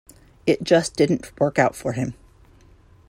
It just didn't work out for him.